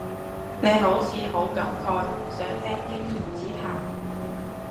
你好似好感慨，想聽經驗之談